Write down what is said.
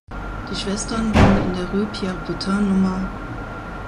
Die Schwestern wohnen in der "Rue Pierre Butin" Nr.